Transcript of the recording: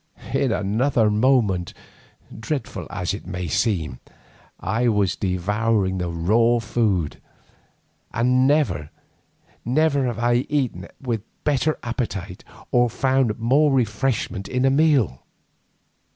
In another moment, dreadful as it may seem, I was devouring the food raw, and never have I eaten with better appetite, or found more refreshment in a meal.